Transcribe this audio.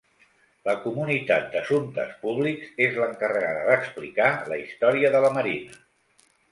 La comunitat d'Assumptes Públics és l'encarregada d'explicar la història de la Marina.